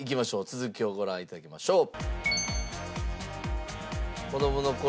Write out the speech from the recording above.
続きをご覧頂きましょう。